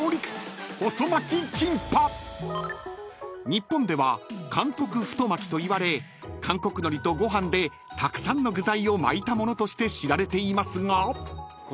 ［日本では韓国太巻きといわれ韓国のりとご飯でたくさんの具材を巻いた物として知られていますが］